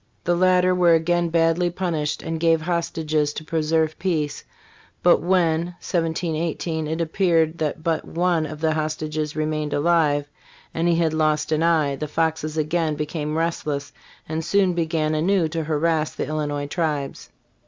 The latter were again badly punished, and gave hostages to preserve peace; but when, 1718, it appeared that but one of the hostages remained alive and he had lost an eye, the Foxes again became restless and soon began anew to harrass the Illinois tribes.